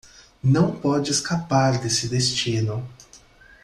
Não pode escapar desse destino